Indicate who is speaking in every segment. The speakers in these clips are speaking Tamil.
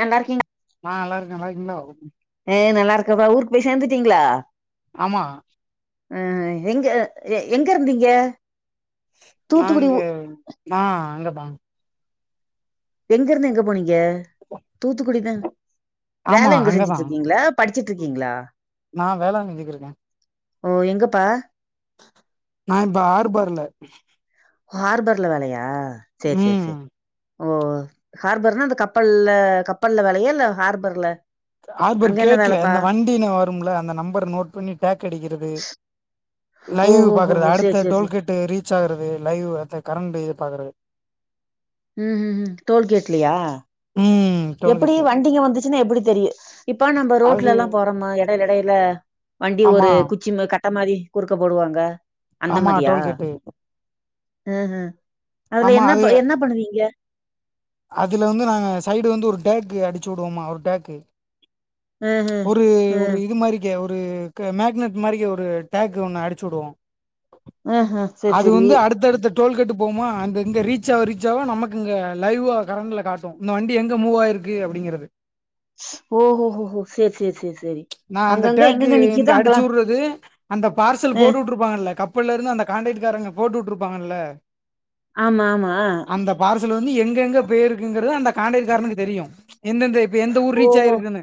Speaker 1: நல்லா இருக்
Speaker 2: ஆ நல்லா இருக்கே நல்லா இருங்கீங்களோ
Speaker 1: ஆ நல்லா இருக்கே பா ஊருக்கு போய் சேந்துட்டீங்களா
Speaker 2: ஆமா
Speaker 1: ஆ எங்க எங்க இருந்தீங்க தூத்துக்குடி
Speaker 2: நாங்க
Speaker 1: ஊ
Speaker 2: ஆ அங்கதா
Speaker 1: எங்க இருந்து எங்க போனீங்க தூத்துக்குடி தா
Speaker 2: ஆமா
Speaker 1: வேல எங்க
Speaker 2: அங்கதா
Speaker 1: செஞ்சுட்டு இருக்கீங்களா படிச்சுட்டு இருக்கீங்களா
Speaker 2: நா வேளாங்கண்ணிக்கு இருக்கே
Speaker 1: ஓ எங்கப்பா
Speaker 2: நா இப்ப ஆர்பர்ல
Speaker 1: ஆர்பர்ல வேலையா சேர் சேர்
Speaker 2: ம்
Speaker 1: சேரி ஓ ஹார்பர்லனா அந்த கப்பல்ல கப்பல்ல வேலையா இல்ல ஹார்பர்ல
Speaker 2: ஆர்பர்
Speaker 1: அங்க என்ன
Speaker 2: கேட்ல
Speaker 1: வேலப்பா
Speaker 2: இந்த வண்டிக வரும்ல அந்த நம்பர நோட் பண்ணி டேக் அடிக்கிறது லைவ்
Speaker 1: ஓஹோ
Speaker 2: பாக்கறது
Speaker 1: ஓஹோ சேரி
Speaker 2: அடுத்த
Speaker 1: சேரி
Speaker 2: டுவெல்
Speaker 1: சேரி
Speaker 2: கேட்டு ரீச் ஆகுறது லைவ் அதா கரண்ட்டு பாக்கறது
Speaker 1: ம் ம் ம் டோல் கேட்லயா
Speaker 2: ம்
Speaker 1: எப்டி
Speaker 2: டோல்கேட்ல
Speaker 1: வண்டிங்க வந்துச்சுன்னா எப்டி தெரியு இப்ப நம்ம
Speaker 2: அது
Speaker 1: ரோட்ல எல்லா போறோமா எடையில எடையில வண்டி
Speaker 2: ஆமா
Speaker 1: ஒரு குச்சி கட்ட மாரி குறுக்க போடுவாங்க அந்த
Speaker 2: ஆமா
Speaker 1: மாரியா
Speaker 2: டோல்கேட்டு
Speaker 1: ம் ம் அதுல
Speaker 2: ஆமா
Speaker 1: என்ன
Speaker 2: அது
Speaker 1: என்ன பண்ணுவீங்க
Speaker 2: அதுல வந்து நாங்க சைடு வந்து ஒரு டேக்கு அடிச்சு விடுவோம்மா ஒரு டேக்கு
Speaker 1: ம்ஹ்ம்.
Speaker 2: ஒரு ஒரு
Speaker 1: ம்.
Speaker 2: இது மாரி ஒரு கே மேக்னெட் மாரி ஒரு டேக் ஒன்னு அடிச்சு வுடுவோ
Speaker 1: ம்ஹ்ம். சரி,
Speaker 2: அது
Speaker 1: சரி.
Speaker 2: வந்து அடுத்தடுத்த டோல் கெட்டு போவும்போ அந்த இங்கே ரீச்ச ஆவ ரீச்சாவ நமக்கு இங்கே லைவா கரெண்ட்டுல காட்டு இந்த வண்டி எங்க மூவ்வாயிருக்கு அப்டிங்கறது
Speaker 1: ஓஹோ ஹோ சேர் சேர் சேரி
Speaker 2: நா அந்த டேக்கு இங்க அடிச்சு வுடுறது அந்த பார்சல்
Speaker 1: அ.
Speaker 2: போட்டு விட்டுருப் ப்பாங்கல்ல கப்பலருந்து அந்த கண்டக்ட்காரங்க போட்டு வுட்டுருப்பாங்கல்ல
Speaker 1: ஆமா ஆமா
Speaker 2: பார்சல் வந்து எங்க எங்க போயிருக்குங்கிறது அந்த காண்டெக்ட காரனுக்கு தெரியு எந்தெந்த இப்ப எந்த ஊர் ரீச்
Speaker 1: ஓஹோ!
Speaker 2: ஆயிருக்குன்னு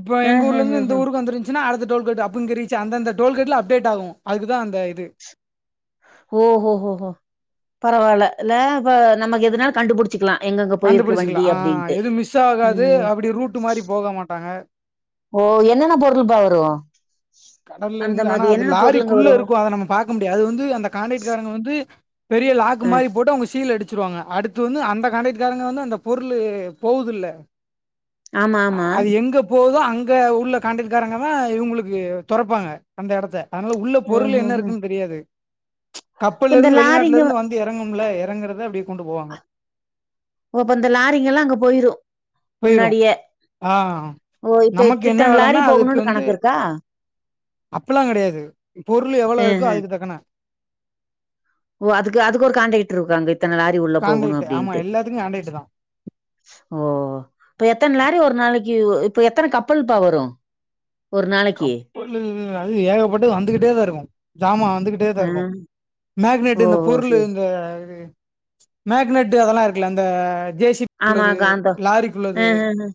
Speaker 2: இப்ப எங்க ஊர்லந்து இந்த
Speaker 1: அஹஹஹ.
Speaker 2: ஊருக்கு வந்துருஞ் சினா அடுத்தடோல்கெட் அப்ப இங்க ரீச் அந்தந்த டோலகெட்ல அப்டேட் ஆகு அதுக்குதா அந்த இது
Speaker 1: ஓஹோ ஓஹோ பரவால்ல இல்ல இப்ப நமக்கு எதனால கண்டுபுடிச் சிக்லா எங்கங்க போயிருக்கு வண்டி
Speaker 2: கண்டுபிடிச்சிக்கலாம் ஆ
Speaker 1: அப்டின்ட்டு
Speaker 2: எதுவும் மிஸ் ஆகாது
Speaker 1: ம்
Speaker 2: அப்படி ரூட் மாதிரி போக மாட்டாங்க
Speaker 1: ஓ என்னென்ன பொருள் பா வரு
Speaker 2: கடல்ல இருந்து ஆனா அது
Speaker 1: பொருளுங்க
Speaker 2: லாரிக்குள்ள
Speaker 1: வரும்?
Speaker 2: இருக்கு அத நம்ம பாக்க முடியாது அது வந்து அந்த கான்டெக்ட்காரங்க வந்து பெரிய லாக்
Speaker 1: ம்.
Speaker 2: மாரி போட்டு அவங்க சீல் அடுச் சிருவாங்க அடுத்து வந்து அந்த கண்டெக்ட்காரங்க வந்து அந்த பொருள் போவுது இல்ல
Speaker 1: ஆமா, ஆமா.
Speaker 2: அது எங்க போவுதோ அங்க உள்ள காண்டெக்ட்க்காரங்கதா இவுங்குளுக்கு தொறப்பாங்க அந்த எடத்த அதனால உள்ள பொருள் என்ன
Speaker 1: ம்ஹ்ஹ்ம்.
Speaker 2: இருக்குன்னு தெரியாது
Speaker 1: இப்ப
Speaker 2: கப்பல்ல
Speaker 1: இந்த
Speaker 2: இருந்து வெளிநாட்டுல
Speaker 1: லாரிங்க வ
Speaker 2: இருந்து வந்து இறங்கும்ல இறங்கறத அப்டியே கொண்டு போவாங்க
Speaker 1: ஓ அப்ப இந்த லாரிங்க எல்லா அங்க போயிரு
Speaker 2: போயிரும்
Speaker 1: முன்னாடியே
Speaker 2: ஆ
Speaker 1: ஓ இப்ப
Speaker 2: நமக்கு என்ன
Speaker 1: இத்தன லாரி
Speaker 2: வேலைன்னா
Speaker 1: போகணுன்னு கணக்கு இருக்கா
Speaker 2: அப்பல்லா கெடையாது பொருள் எவ்வளோ
Speaker 1: ஆஹ
Speaker 2: இருக்கோ அதுக்கு தக்கன
Speaker 1: ஓ அதுக்கு அதுக்கு ஒரு கண்ட்ரெக்டர் இருக்காங்க இத்தன லாரி உள்ள போகணு
Speaker 2: கான்ட்ராக்ட் ஆமா
Speaker 1: அப்டின்ட்டு
Speaker 2: எல்லாத்துக்கும் கான்ட்ராக்ட் தான்
Speaker 1: ஓ இப்ப எத்தன லாரி ஒரு நாளைக்கு இப்ப எத்தன கப்பல் பா வரு ஓரு நாளைக்கி
Speaker 2: [unintelligible] அது ஏகப்பட்டலு வந்துகிட்டேதா இருக்கு ஜாம வந்துகிட் டேதா
Speaker 1: ஆ
Speaker 2: இருக்கு மேக்னேட்டு இந்த
Speaker 1: ஓஹோ
Speaker 2: பொருளு
Speaker 1: சரி
Speaker 2: இந்த இது மேக்னட்டு அதெல்லா இருக்குல அந்த ஜே சி பிக்
Speaker 1: ஆமா
Speaker 2: உள்ளது
Speaker 1: காந்தம்
Speaker 2: லாரிக்குள்ளது
Speaker 1: ஆஹஹ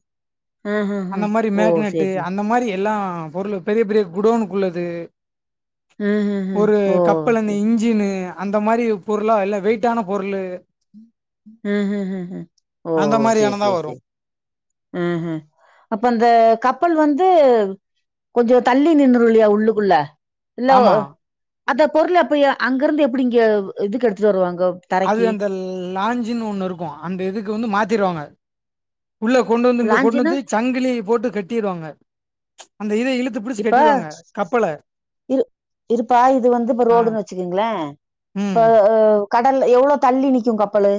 Speaker 1: ஆஹஹ
Speaker 2: அந்த மாரி
Speaker 1: ஓ
Speaker 2: மேக்னெட்டு
Speaker 1: சரி சரி
Speaker 2: அந்த மாரி எல்லா பொருளு பெரிய பெரிய குடோனுக்குள்ளது
Speaker 1: ம்ஹ்ஹ்
Speaker 2: ஒரு
Speaker 1: ஓ
Speaker 2: கப்பலந்த
Speaker 1: சரி
Speaker 2: இன்ஜினு அந்த மாரிப் பொருளா எல்லா வெயிடிட்டான பொருளு
Speaker 1: ம் ம் ம் ம் ஓ
Speaker 2: அந்த
Speaker 1: சேர்
Speaker 2: மாரியானதா
Speaker 1: சேர்
Speaker 2: வரு
Speaker 1: சேர் ம் ஹும் அப்ப அந்த கப்பல் வந்து கொஞ்சோ தள்ளி நின்னுறு இல்லையா உள்ளுக்குள்ள இல்ல
Speaker 2: ஆமா
Speaker 1: அந்த பொருளு அப்ப அங்கிருந்து எப்புடி இங்க இதுக்கெடுத்துட்டு வருவாங்கோ
Speaker 2: அது அந்த லான்ஞ்ஞின்னு ஒன்னு இருக்கு அந்த இதுக்கு வந்து மாத்திருவாங்க உள்ள கொண்டு வந்து இங்க கொண்டு
Speaker 1: லாஞ்சுன்னா
Speaker 2: வந்து சங்கிலி போட்டு கட்டிருவாங்க அந்த இத இழுத் து புடிச்சி
Speaker 1: இப்ப
Speaker 2: கட்டிருவாங்க கப்பல
Speaker 1: இரு இருப்பா இது வந்து இப்ப
Speaker 2: ஆ
Speaker 1: ரோடுன்னு வச்சுக்கங்களே
Speaker 2: ம்
Speaker 1: இப்ப கடல் எவ்ளோ தள்ளி நிக்கு கப்பலு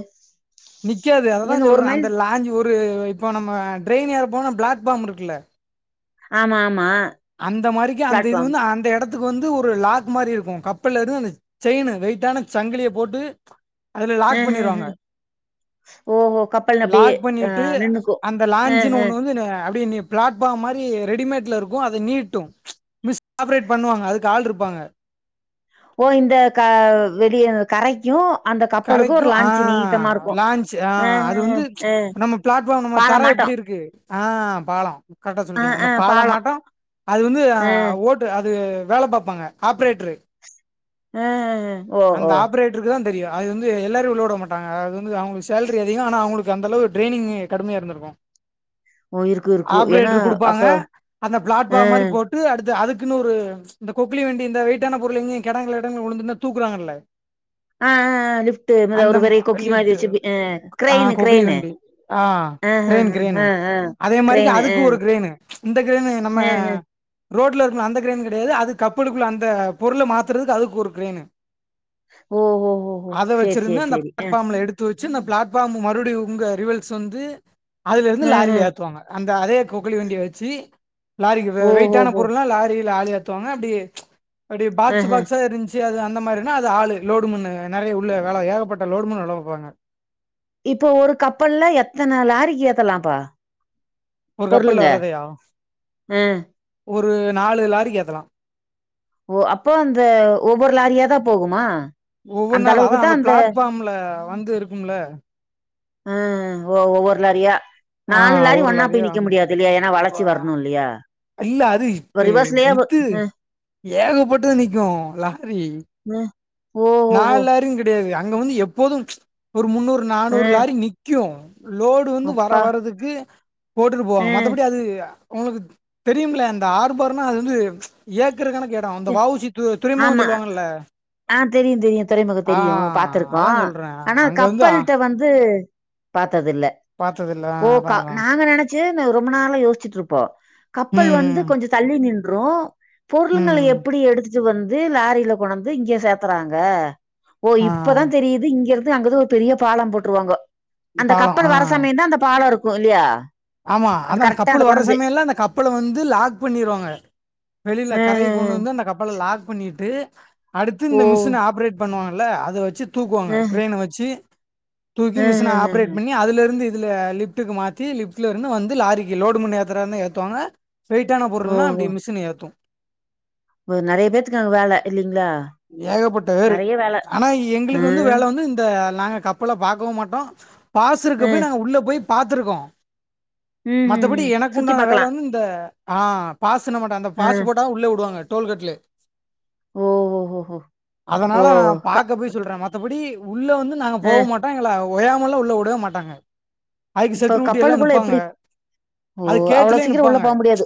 Speaker 2: நிக்காது அததா
Speaker 1: இங்கருந்து ஒரு
Speaker 2: சொல்றே
Speaker 1: மைல்
Speaker 2: அந்த லாஞ்சு ஒரு இப்போ நம்ம டிரெயின் ஏற போனா பிளாட் பாம் இருக்குல்ல
Speaker 1: ஆமா ஆமா
Speaker 2: அந்த மாரிக்கு அந்த இது
Speaker 1: பிளாட்ஃபார்ம்
Speaker 2: வந்து அந்த எடத் துக்கு வந்து ஒரு லாக் மாரி இருக்கு கப்பலருந்து அந்த செயினு வெயிட்டான சங்கிலிய போட்டு அதுல
Speaker 1: அ
Speaker 2: லாக்
Speaker 1: அ அ
Speaker 2: பண்ணிருவாங்க
Speaker 1: ஓஹோ கப்பல் அப்டியே
Speaker 2: லாக்
Speaker 1: அ
Speaker 2: பண்ணிட்டு
Speaker 1: நின்னுக்கு
Speaker 2: அந்த
Speaker 1: அ
Speaker 2: லாஞ்சுன்னு
Speaker 1: அ
Speaker 2: ஒன்னு வந்து ன அப்டியே நி பிளாட்ஃபார்ம் மாரி ரெடிமேட்ல இருக்கு அது நீட்டு மிஸ் ஆப்ரேட் பண்ணுவாங்க அதுக்கு ஆள் இருப்பாங்க
Speaker 1: ஓ இந்த க வெளிய கரைக்கு அந்த கப்பலுக்கு
Speaker 2: கரைக்கு
Speaker 1: ஒரு
Speaker 2: ஆ
Speaker 1: லான்ச் நீட்டமா இருக்கு
Speaker 2: லான்ச் ஆ
Speaker 1: அ
Speaker 2: அது வந்து
Speaker 1: அ அ
Speaker 2: நம்ம பிளாட் இப்ப நம்ம தர
Speaker 1: பாலம் மாட்டோ
Speaker 2: எப்டி இருக்கு ஆ பாலம் கரெக்டா
Speaker 1: அ
Speaker 2: சொல்டிங்க
Speaker 1: அ
Speaker 2: அந்த பாலம் மாட்டம் அது வந்து அ ஓட் டு அது வேல பாப்பாங்க ஆப்ரேட்டரு
Speaker 1: அ அ அ
Speaker 2: அந்த ஆப்ரேட் ட்டருக்கு தா தெரியு அது வந்து எல்லாரையு உள்ள விடமாட்டாங்க அது வந்து அவுங்களுக்கு சேலரி அதிகோ ஆனா அவுங்களுக்கு அந்தளவு டிரெய்னிங் கடுமையா இருந்துருக்கு
Speaker 1: ஓ! இருக்கும், இருக்கும். ஏன்னா
Speaker 2: ஆப்ரேட்டர்
Speaker 1: அப்ப
Speaker 2: குடுப்பாங்க அந்த
Speaker 1: அ,
Speaker 2: பிளாட்பார்ம் மாரி போட் டு அடுத்து அதுக்குன்னு ஒரு இந்த கொக்குளி‌ வண்டி இந்த வெயிட்டான பொருள் எங்கயு கெடங்குல கிடங்குல உழுந்துருந்தா தூக்குறாங்கல
Speaker 1: ஆ ஆ ஆ லிஃப்ட்டு மொத ஒரு பெரிய கொக்கி மாரி
Speaker 2: லிப்ட்
Speaker 1: வச்சு பின்ன
Speaker 2: ஆ
Speaker 1: கிரேயினு
Speaker 2: கொக்குலி
Speaker 1: கிரேயினு
Speaker 2: வண்டி ஆ கிரேன் கிரேனு அதே மாரிக்கி
Speaker 1: அ,
Speaker 2: அதுக்கு ஒரு கிரேனு இந்த கிரேன் நம்ம
Speaker 1: அஹ.
Speaker 2: ரோட்ல இருக்கும்ல அந்த கிரேயின் கெடையாது அது கப்பலுக்குள்ள அந்த பொருள்ள மாத்துறதுக்கு அதுக்கு ஒரு கிரேயினு
Speaker 1: ஒ ஹோ ஹோ
Speaker 2: அத வச்சிருந்து அந்த பிளாட்ஃ பாம்ல எடுத்து த்து வச்சு இந்த பிளாட்ஃபார்ம் மறுபடியு உங்க ரிவில்ஸ் வந்து அதுல இருந்து
Speaker 1: அஹ.
Speaker 2: லாரில ஏத்துவாங்க அந்த அதே கொக்களி வண்டிய வச்சு லாரிக்கு ப வெயிட்டான
Speaker 1: ஓஹோஹோ!
Speaker 2: பொருள்லா லாரி லாரிய த்துவாங்க அப்டி அப்டி பாக்ஸ்
Speaker 1: அஹ.
Speaker 2: பாக்ஸா இருந்ச்சு அத அ அந்த மாதிரினா அது ஆளு லோடு மேன்னு நெறைய உள்ள வேலை ஏகப்பட்ட லோடு மேன்னு வேலப்பாப்பாங்க
Speaker 1: இப்ப ஒரு கப்பல்ல எத்தன லாரிக்கு ஏத்தலாம்ப்பா
Speaker 2: ஒரு கப்பல்ல
Speaker 1: பொருளுங்க
Speaker 2: வர்றதையா
Speaker 1: ஆ
Speaker 2: ஒரு நாலு லாரிக்கு ஏத்தலா
Speaker 1: ஓ அப்போ அந்த ஒவ்வொரு லாரியாதா போகுமா
Speaker 2: ஒவ்வொன்னா தா அதா அந்த பிளாட்ஃபாம்ல வந்து இருக்கும்ல
Speaker 1: ஆ ஓ ஒவ்வொரு லாரியா
Speaker 2: ஆ
Speaker 1: நாலு லாரி
Speaker 2: ஒரு
Speaker 1: ஒன்னா போய்
Speaker 2: லாரிய
Speaker 1: நிக்க முடியாது இல்லையா ஏனா வளச்சி வரணு இல்லையா
Speaker 2: இல்ல அது இப்ப
Speaker 1: ரிவர்ஸ்லயே வ
Speaker 2: இது
Speaker 1: அ.
Speaker 2: ஏகப்பட்டது நிக்கு லாரி
Speaker 1: ம் ஓ
Speaker 2: நா எல்லாரு கெடையாது அங்க வந்து எப்போது ஒரு முன்னூறு
Speaker 1: அ
Speaker 2: நானூறு லாரி நிக்கு லோடு வந்து வர
Speaker 1: அப்பா!
Speaker 2: வரறதுக்கு போட்டுட்டு போவாங்க
Speaker 1: ம்.
Speaker 2: மத்தபடி அது உங்களுக்கு தெரியும்ல இந்த ஆர்பர்னா அது வந்து ஏக்கரு கணக்கு தா அந்த வஉசி துறைமுகம்
Speaker 1: ஆமா.
Speaker 2: சொல்லுவாங்கல்ல
Speaker 1: ஆ தெரியு தெரியு துறைமுகம்
Speaker 2: ஆ
Speaker 1: தெரியு பாத்திருக்கோ
Speaker 2: அதா சொல்றே
Speaker 1: ஆனா
Speaker 2: அங்க வந்து ஆ
Speaker 1: கப்பல்ட்ட வந் து பாத்தது இல்ல
Speaker 2: பாத்ததில்ல ஆ
Speaker 1: ஓ
Speaker 2: அதா
Speaker 1: கா
Speaker 2: அதா
Speaker 1: நாங்க நெனைச் சு ரொம்ப நாளா யோசுச்சிட்டு இருப்போ கப்பல் வந்து
Speaker 2: ம் ம்
Speaker 1: கொஞ்ச தள்ளி நின்று பொருளுங்கல
Speaker 2: ம்
Speaker 1: எப்டி எடுத்துட்டு வந்து லாரில கொண்டந்து இங்க சேத்துறாங்க ஓ
Speaker 2: ஆ
Speaker 1: இப்பதா தெரியுது இங்க இருந்து அங்கது ஒரு பெரிய பாலம் போட்டுருவாங்க அந்த
Speaker 2: பாலோ ஆ
Speaker 1: கப்பல் வர சமயம் தா அந்த பாலம் இருக்கு இல்லையா
Speaker 2: ஆமா
Speaker 1: அது
Speaker 2: அதா
Speaker 1: கரெக்ட்டா அத
Speaker 2: கப்பல் வர்ற
Speaker 1: கொண்டாந்து.
Speaker 2: சமயலா அந்த கப்பல வந்து லாக் பண்ணிருவாங்க வெளில கரைக்கு கொண்டு
Speaker 1: ம்.
Speaker 2: வந்தா அந்த கப்பல லாக் பண்ணிட்டு அடுத்து
Speaker 1: ஓ!
Speaker 2: இந்த மிஷின ஆப்ரேட் பண்ணுவாங்கல்ல அத வச்சு தூக்குவாங்க
Speaker 1: ம்.
Speaker 2: கிரேன்ன‌ வச்சு தூக்கி மிஷின் ஆப்ரேட்
Speaker 1: ம்ஹ்ஹ்ம்.
Speaker 2: பண்ணி அதுல இருந்து இதுல லிஃப்ட்டுக்கு மாத்தி லிஃப்ட்ல இருந்து வந்து லாரிக்கு லோடு மண்ணு‌ ஏத்தறதனா ஏத்துவாங்க வெயிட்டான பொருள்னா அப்டி மிஷின் ஏத்து
Speaker 1: ஒரு நெறைய பேத்துக்கு அங்க வேல இல்லைங்ளா
Speaker 2: ஏகப்பட்ட வேரு ஆனா
Speaker 1: ஆ
Speaker 2: எங்களுக்கு வந்து வேல வந்து இந்த நாங்க கப் பல பாக்கவு மாட்டோ பாசு இருக்க
Speaker 1: அ
Speaker 2: போய் நாங்க உள்ள போய் பாத்துருக்கோ மத்தபடி
Speaker 1: ம்ஹ்ஹ்ம்.
Speaker 2: எனக்கு
Speaker 1: சுத்தி
Speaker 2: உண்டான
Speaker 1: பாக்கலா.
Speaker 2: வேல வந்து இந்த ஆ பாஸ் நம்மட்ட அந்த
Speaker 1: ஆ
Speaker 2: பாஸ் போட்டா உள்ளே உடுவாங்க டோல் கேட்லே
Speaker 1: ஓ ஹொ ஹோ
Speaker 2: அதனால நா பாக்க போய் சொல்றே மத்தபடி உள்ள வந்து நாங்க
Speaker 1: அ
Speaker 2: போக மாட்டோ எங்கள ஓயாமெல்லா உள்ள உடவே மாட்டாங்க அதுக்கு
Speaker 1: இப்ப
Speaker 2: செக்ரூட்டி எல்லா
Speaker 1: கப்பலுக்குள்ள
Speaker 2: நிப்பாங்க
Speaker 1: எப்டி ஓ
Speaker 2: அது
Speaker 1: அவ்ளோ
Speaker 2: கேட்டுலே
Speaker 1: சீக்கிரம் உள்ள
Speaker 2: நிப்பாங்க
Speaker 1: போ முடியாது.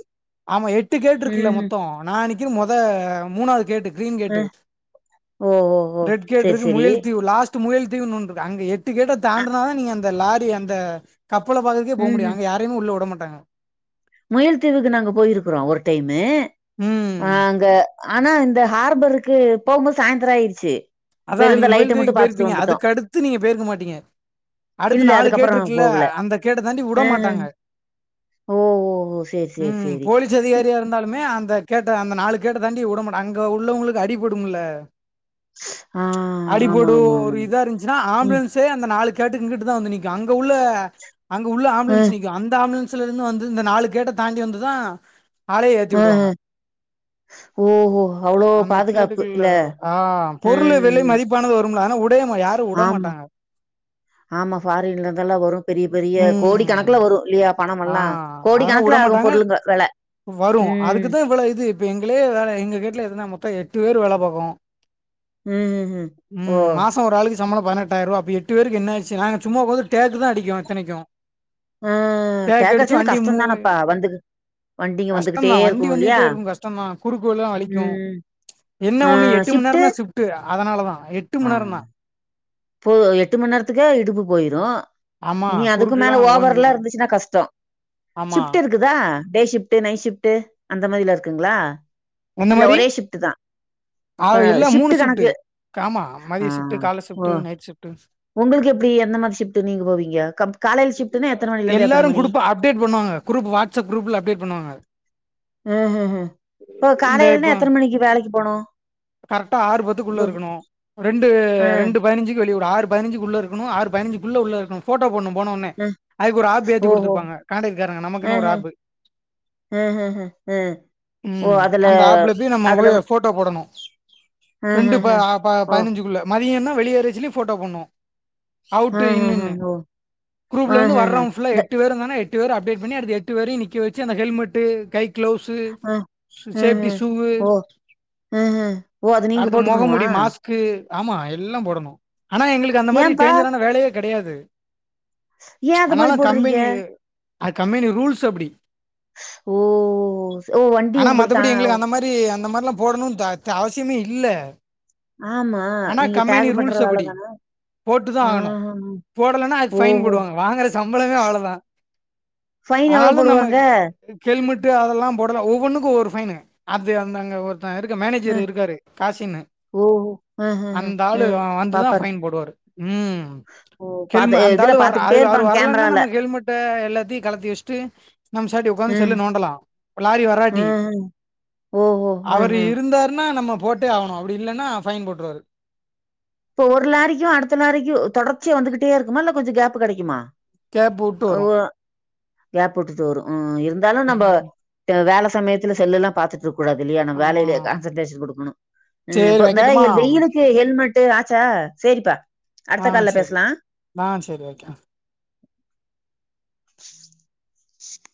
Speaker 2: ஆமா எட்டு கேட்ருக்குல்ல
Speaker 1: ம்ஹ்ம்.
Speaker 2: மொத்த நா நிக்கது மொத மூணாவது கேட்டு கிரீன்
Speaker 1: அ
Speaker 2: கேட்டு
Speaker 1: ஓ ஓ ஓ!
Speaker 2: ரெட் கேட்
Speaker 1: சரி
Speaker 2: இருக்கு
Speaker 1: சரி.
Speaker 2: முயல் தீவு லாஸ்ட் முயல் தீவுன் ஒன் இருக்கு அங்க எட்டு கேட்ட
Speaker 1: அ
Speaker 2: தாண்டுனாதா நீங்க அந்த லாரி அந்த கப்பல பாக்கறதுக்கே போ முடியு
Speaker 1: ம்ஹ்ம்.
Speaker 2: அங்க யாரையுமே உள்ள உட மாட்டாங்க
Speaker 1: முயல் தீவுக்கு நாங்க போயிருக்குறோ ஒரு டைமு
Speaker 2: ம்.
Speaker 1: ஆ அங்க ஆனா இந்த ஹார்பருக்கு போகும்போது சாந்தர ஆயிருச்சு
Speaker 2: அதா
Speaker 1: வெறும் இந்த
Speaker 2: நீங்க முயல்
Speaker 1: லைட்ட
Speaker 2: தீவுக்கு
Speaker 1: மட்டும் பாத்துட்டு
Speaker 2: பேயிருப்பிங்க
Speaker 1: வந்துட்டோம்.
Speaker 2: அதுக்கடுத்து நீங்க பேயிருக்க மாட்டிங்க அடுத்து
Speaker 1: இல்ல
Speaker 2: நாலு கேட்
Speaker 1: அதுக்கப்புறம்
Speaker 2: இருக்குல்ல
Speaker 1: போகல.
Speaker 2: அந்த கேட்ட தாண்டி உட
Speaker 1: அஹ
Speaker 2: மாட்டாங்க
Speaker 1: ஓ ஓ ஓ! சரி சரி
Speaker 2: ம்
Speaker 1: சரி.
Speaker 2: போலீஸ்
Speaker 1: இப்
Speaker 2: அதிகாரியா இருந்தா லுமே அந்த கேட்ட அந்த நாலு கேட்ட தாண்டி உட மாட்ட அங்க உள்ளவங்களுக்கு அடி படுமல்ல
Speaker 1: ஆ ஆமா
Speaker 2: அடிபடு
Speaker 1: ஆமா
Speaker 2: ஒரு
Speaker 1: ஆமா.
Speaker 2: இதா இருந்துச்சுனா
Speaker 1: ம்.
Speaker 2: ஆம்புலன்ஸ் சே அந்த நாலு கேட்டு இங்கிட்டுதா வந்து நிக்கு அங்க உள்ள அங்க உள்ள
Speaker 1: அ
Speaker 2: ஆம்புலன்ஸ் நிக் அந்த ஆம்புலன்ஸ்ல இருந்து வந்து இந்த நாலு கேட்ட தாண்டி வந்துதா ஆளயே ஏத்தி
Speaker 1: ஆஹ
Speaker 2: உடுவாங்க
Speaker 1: ஓஹோ! அவ்ளோ
Speaker 2: அந்த
Speaker 1: பாதுகாப்பு
Speaker 2: கேட்டுகுள்ள
Speaker 1: இல்ல.
Speaker 2: ஆ பொருளு விலை
Speaker 1: ம்.
Speaker 2: மதிப்பானது வரும்ல ஆனா ஒரு
Speaker 1: ஆமா ஆமா ஃபாரின்ல இருந்தெல்லா வரு பெரிய பெரிய கோடி
Speaker 2: ம்.
Speaker 1: கணக்குல வரு இல்லயா
Speaker 2: ஆ அதனா உடமாட்டாங்க
Speaker 1: வெல.
Speaker 2: வரு
Speaker 1: ம்.
Speaker 2: அதுக்குதா இவ்ளோ இது இப்ப எங்களே வேல எங்க கேட்ல எத்ன மொத்த எட்டு பேரு வேல பாக்கோ
Speaker 1: ம்ஹ்ம். ஓ!
Speaker 2: ம் மாச ஒரு ஆளுக்கு சம்பள பதனெட்டாயர்வா அப்ப எட்டு பேருக்கு என்ன ஆயிருச்சுனா நாங்க சும்மா உக்காந்து டேக்கு தா அடிக்கோ இத்தனைக்கு
Speaker 1: ஆ டேக் அடிச்சாலு
Speaker 2: மூ
Speaker 1: கஷ்டந்தானப்பா வந்து வண்டிக
Speaker 2: கஷ்டம்
Speaker 1: வந்துகிட்டே
Speaker 2: தான். வண்டி
Speaker 1: இருக்கு இல்லையா
Speaker 2: வந்துகிட்டே இருக்கும் கஷ்டம் தான். குறுக்கு வழிலாம் வலிக்கும்.
Speaker 1: ம்
Speaker 2: என்ன
Speaker 1: ஆ
Speaker 2: ஒண்ணு எட்டு மண்
Speaker 1: ஷிஃப்ட்டு?
Speaker 2: நேரந்தா ஸிஃப்ட்டு அதனாலதா எட்டு மண் நேரந்தா
Speaker 1: பொ எட்டு மண் நேரத்துக்கே இடுப்பு போயிரு
Speaker 2: ஆமா.
Speaker 1: இனி அதுக்கு மேல
Speaker 2: குறுக்கெல்லாம்
Speaker 1: ஓவர்லா
Speaker 2: ஓஞ்சிரும்.
Speaker 1: இருந்துச்சுன்னா கஷ்ட
Speaker 2: ஆமா.
Speaker 1: ஷிஃப்ட் இரு க்குதா டே ஷிஃப்ட் நைட் ஷிஃப்ட் அந்த மாரிலா இருக்குங்ளா இல்ல ஒரே ஷிப்ட்டுதா
Speaker 2: ஆ‌ இல்ல மூணு ஷிஃப்ட்டு ஆமா
Speaker 1: ஆ
Speaker 2: மதிய ஷிஃப்ட்டு காலே
Speaker 1: ஓ
Speaker 2: ஷிஃப்ட்டு நைட் ஷிஃப்ட்டு
Speaker 1: உங்களுக்கு எப்டி எந்த மாரி ஷிஃப்ட்டு நீங்க போவிங்க கப் காலைல ஷிஃப்ட்னா எத்தன மணிலருந்து எத்தன மணி
Speaker 2: குடுப்போ அப்டேட் பண்ணுவாங்க குரூப் வாட்ஸ்அப் குரூப்ல அப்டேட் பண்ணுவாங்க
Speaker 1: ஓ காலையிலனா எத்தன மணிக்கு வேலைக்கு போனு
Speaker 2: கரெட்டா ஆறு பத்துக்கு உள்ள இருக்கணு ரெண்டு
Speaker 1: ஆ
Speaker 2: ரெண்டு பதனஞ்சுக்கு வெளிய ஒரு ஆறு பதினஞ்சுக்கு உள்ள இருக்கனு ஆறு பதினஞ்சுகுள்ள உள்ள இருக்கனு ஃபோட்டோ போட்ணு போன உனே
Speaker 1: அ.
Speaker 2: அதுக்கு ஒரு ஆப்பு ஏத்தி
Speaker 1: ஓஹோ
Speaker 2: குடுத்துருப்பாங்க காண்டக்ட் காரங்க நமக்குன்னு ஒரு ஆப்பு
Speaker 1: ம் ஹு ஹு ம் ஒ அதுல அதுல
Speaker 2: ஃபோட்டோ போடணு ரெண்டு ப
Speaker 1: ஆஹஹ
Speaker 2: அ ப
Speaker 1: ஓ
Speaker 2: பதுனஞ்சுக்குள்ள மதியன்னா வெளியேரச்சுல்லி ஃபோட்டோ போட்ணு அவுட்டு
Speaker 1: ஆஹஹ
Speaker 2: இன்னுன்னு
Speaker 1: ஓ
Speaker 2: குரூப்ல வந்து
Speaker 1: ஆஹஹ
Speaker 2: வர்றவுங் ஃபுல்லா
Speaker 1: இந்த
Speaker 2: எட் ட்டு பேரு வந்தாங்னா எட்டு பேரு அப்டேட் பண்ணி அடுத்து எட்டு பேரயு நிக்க வெச்சி அந்த ஹெல்மெட்டு கை க்ளவ்ஸு சேப்டி சூவு
Speaker 1: ம் ஹு ஓ அது நீங்க போட்டுக்குணுமா
Speaker 2: கு ஆமா எல்லா போடணு அனா எங்களுக்கு அந்த மாரி
Speaker 1: ஏன்ப்பா
Speaker 2: டேஞ்சரான வேலயே கடையாது
Speaker 1: ஏன் அது மாரி
Speaker 2: அனாலு
Speaker 1: போடுறீங்க
Speaker 2: கம்பெனி அ கம்பேனி ரூல்ஸ் அப்புடி
Speaker 1: ஓ ஓ ஒ வண்டி உங்களுக்குதா
Speaker 2: டி அந்த மார்லா போடணு த த அவசியமே இல்ல
Speaker 1: ஆமா நீங்க டேகு பண்ற வேல தான
Speaker 2: போட்டுதா ஆகணு
Speaker 1: ஆஹஹ.
Speaker 2: போடலன்னா அதுக்கு ஃபைன்
Speaker 1: ஓஹோ!
Speaker 2: போடுவாங்க வாங்குற சம்பளமே அவ்ளதா
Speaker 1: ஃபைன் எவ்ளோ போடுவாங்க
Speaker 2: கெல்மட்டு அதல்லா போடல ஒவ்வொன்னுக்கு ஒவ்வொரு ஃபைனு அது அந்த அங்க ஒருத்த இருக்க மேனே து
Speaker 1: அ.
Speaker 2: இருக்காரு காசின்னு
Speaker 1: ஓஹோ! அஹஹ.
Speaker 2: அந்த ஆளு அ வந்துதா
Speaker 1: பாப்பாரு.
Speaker 2: ஃபைன் போடுவாரு ம்
Speaker 1: ஓ! பாத்து
Speaker 2: ஹெல்ம
Speaker 1: இதுல
Speaker 2: அந்தாலு வர்ர அது
Speaker 1: பாத்துக்கிட்டே
Speaker 2: அவரு
Speaker 1: இருப்பாங்க
Speaker 2: வர்லன்னா
Speaker 1: கேமரால.
Speaker 2: நம்ம ஹெல்மட்ட எல்லாத்யு கலத்தி வஷ்ட்டு நம் சாட்டி உக்காந்து
Speaker 1: ம்.
Speaker 2: செல்லு நோண்டலா இப்ப லாரி வராட்டி
Speaker 1: ம்ஹ்ம். ஓஹோ அ அ
Speaker 2: ன்னா நம்ம போட்டே ஆவுனு அப்புடி இல்லனா ஃபைன் போட்ருவாரு
Speaker 1: இப்போ ஒரு லாரிக்கு அடுத்த லாரிக்கு தொடர்ச்சியா வந்துகுட்டே இருக்குமா இல்ல கொஞ்ச கேப்பு கடைக்குமா
Speaker 2: கேப் வுட்டு
Speaker 1: அ
Speaker 2: வரும்
Speaker 1: ஒ கேப்பு உட்டுட்டு வரு ம் ம் இர் ந்தாலு நம்ப
Speaker 2: ம்
Speaker 1: வேல சமயத்துல செல்லுல்லா பாத்துட்டுருக் கூடாது இல்லியா நம்
Speaker 2: ஆமா
Speaker 1: வேலைலே கான்சன்ட்ரேஷன் குடுக்குணு
Speaker 2: சேரி
Speaker 1: இப்ப இந்த
Speaker 2: வைக்கட்டுமா
Speaker 1: ஏல் வெயிலுக்கு ஹெல்மட் ஆச்ச சேரிப்பா
Speaker 2: ஆ
Speaker 1: அடுத்த கால்ல
Speaker 2: சேரி
Speaker 1: பேஸ்லா
Speaker 2: ஆ சேரி ஓகே அ